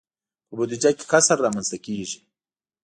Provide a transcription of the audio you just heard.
په بودجه کې کسر رامنځته کیږي.